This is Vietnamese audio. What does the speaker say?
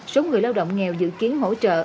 số người lao động nghèo dự kiến hỗ trợ